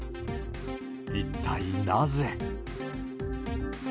一体なぜ。